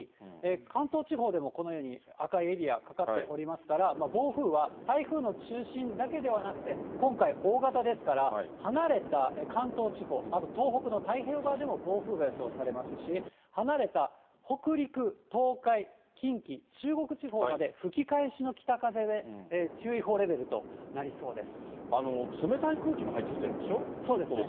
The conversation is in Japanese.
関東地方でもこのように赤いエリア、かかっておりますから、暴風は台風の中心だけではなくて、今回、大型ですから、離れた関東地方、あと東北の太平洋側でも暴風が予想されますし、離れた北陸、東海、近畿、中国地方まで、吹き返しの北風で、注意報レベルとなりそうです。